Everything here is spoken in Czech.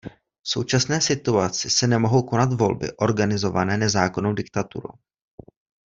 V současné situaci se nemohou konat volby organizované nezákonnou diktaturou.